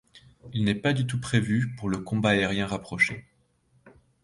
Il n'est pas du tout prévu pour le combat aérien rapproché.